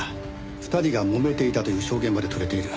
２人がもめていたという証言まで取れている。